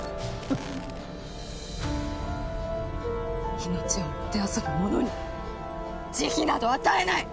命を弄ぶ者に慈悲など与えない！